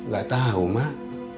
gak tau mak